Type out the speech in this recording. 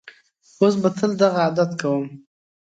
اوس به تل دغه عادت کوم.